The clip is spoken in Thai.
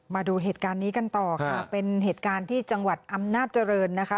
มาดูเหตุการณ์นี้กันต่อค่ะเป็นเหตุการณ์ที่จังหวัดอำนาจเจริญนะคะ